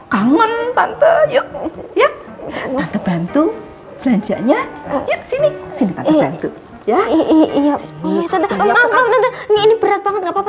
kangen tante ya ya tante bantu belanjanya sini iya iya iya b profitable ngilang gopal apa gak apa apa